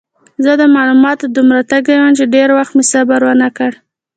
زه د معلوماتو دومره تږی وم چې ډېر وخت مې صبر ونه کړ.